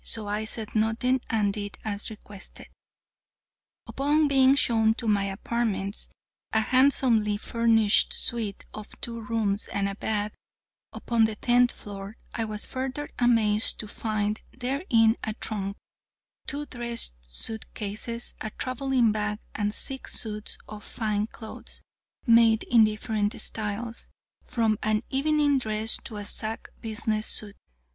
So I said nothing and did as requested. Upon being shown to my apartments, a handsomely furnished suite of two rooms and a bath, upon the tenth floor, I was further amazed to find therein a trunk, two dress suit cases, a traveling bag, and six suits of fine clothes, made in different styles, from an evening dress to a sack business suit.